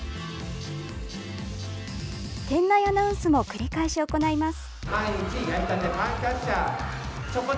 店内アナウンスも繰り返し行います。